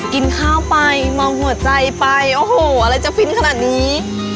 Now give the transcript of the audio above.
กินข้าวไปมองหัวใจไปโอ้โหอะไรจะฟินขนาดนี้